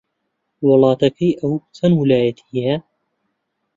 وڵاتەکەی ئەو چەند ویلایەتی هەیە؟